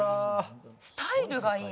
スタイルがいい！